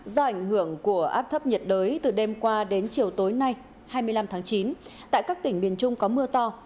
do ảnh hưởng của áp thấp nhiệt đới từ đêm qua đến chiều tối nay hai mươi năm tháng chín tại các tỉnh miền trung có mưa to